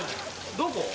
どこ？